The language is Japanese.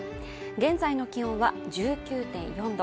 現在の気温は１９．４度